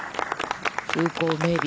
風光明媚。